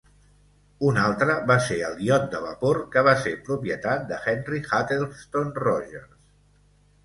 Un altre va ser el iot de vapor que va ser propietat de Henry Huttleston Rogers.